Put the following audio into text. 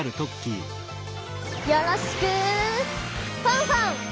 よろしくファンファン！